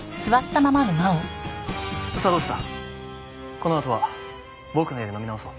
このあとは僕の家で飲み直そう。